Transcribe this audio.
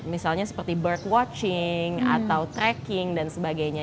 misalnya seperti bird watching atau tracking dan sebagainya